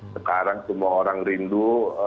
sekarang semua orang rindu